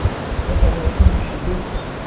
وَأَنَا أُنْشِدُ